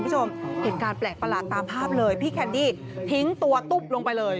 คุณผู้ชมเหตุการณ์แปลกประหลาดตามภาพเลยพี่แคนดี้ทิ้งตัวตุ๊บลงไปเลย